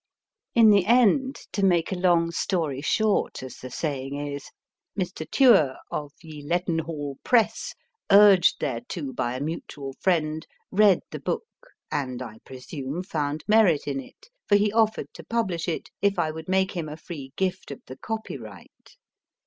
In the end to make a long story short, as the saying is I AM REMEMliERING Mr. Tuer, of Ye Leadenhall Press/ urged thereto by a mutual friend, read the book, and, I presume, found merit in it, for he offered to publish it if I would make him a free gift of the copyright.